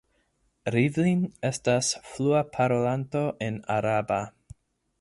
Rivlin estas flua parolanto en araba.